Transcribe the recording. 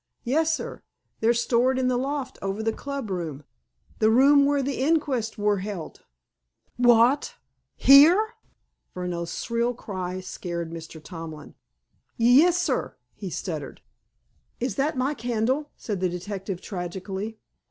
"Yes, sir. They're stored in the loft over the club room—the room where the inquest wur held." "What, here?" Furneaux's shrill cry scared Mr. Tomlin. "Y yes, sir," he stuttered. "Is that my candle?" said the detective tragically.